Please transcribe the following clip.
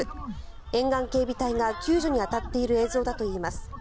沿岸警備隊が救助に当たっている映像だといいます。